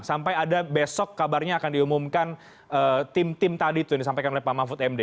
sampai ada besok kabarnya akan diumumkan tim tim tadi itu yang disampaikan oleh pak mahfud md